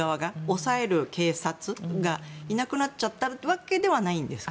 抑える警察がいなくなっちゃったわけではないんですか？